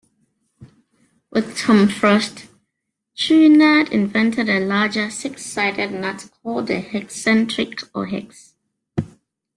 With Tom Frost, Chouinard invented a larger, six-sided nut called a Hexentric or hex.